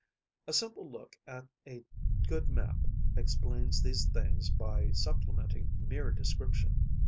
A simple look at a good map explains these things by supplementing mere description.